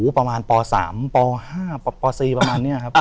ประมาณป๓ป๕ป๔ประมาณนี้ครับ